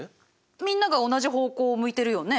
みんなが同じ方向を向いてるよね？